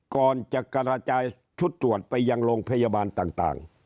ก่อนจะกระจายชุดตรวจไปยังโรงพยาบาลต่าง